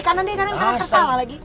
eh kanan deh kanan karena tersalah lagi